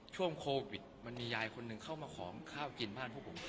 ช่วงโควิดมันมียายคนหนึ่งเข้ามาขอข้าวกินบ้านพวกผม